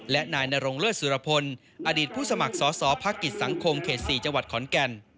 และนายนรงเลือดสุรพลอดีตผู้สมัครสอสอภาคกิจสังคมเขต๔จขอนแก่น